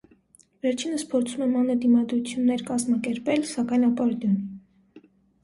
Վերջինս փորձում էր մանր դիմադրություններ կազմակերպել, սակայն ապարդյուն։